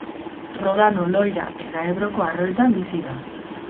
Rodano, Loira eta Ebroko arroetan bizi da.